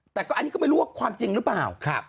แต่ก็อันนี้ก็ไม่รู้ว่าความจริงหรือเปล่า